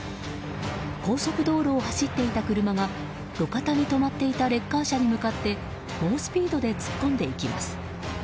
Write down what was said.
高速道路を走っていた車が路肩に止まっていたレッカー車に向かって猛スピードで突っ込んでいきます。